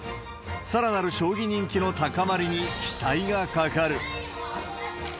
さらなる将棋人気の高まりに、期待がかかる。